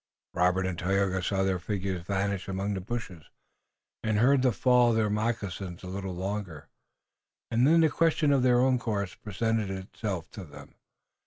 Robert and Tayoga saw their figures vanish among the bushes and heard the fall of their moccasins a little longer, and then the question of their own course presented itself to them.